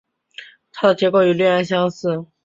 它的结构与氯胺类似。